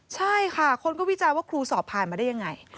ใช่ค่ะคนก็วิจารณ์ว่าครูสอบผ่านมาได้ยังไง